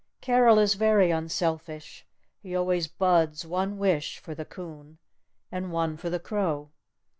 Carol is very unselfish. He always buds one wish for the coon. And one for the crow.